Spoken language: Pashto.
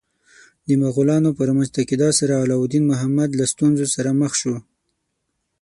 د مغولانو په رامنځته کېدا سره علاوالدین محمد له ستونزو سره مخ شو.